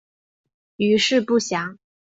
余事不详。